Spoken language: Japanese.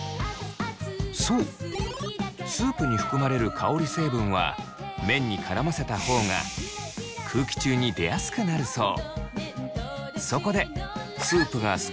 そうスープに含まれる香り成分は麺に絡ませた方が空気中に出やすくなるそう。